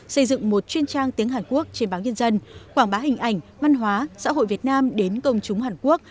xây dựng một chuyên trang tiếng hàn quốc trên báo nhân dân quảng bá hình ảnh văn hóa xã hội việt nam đến công chúng hàn quốc